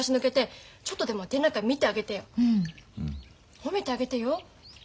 褒めてあげてよ。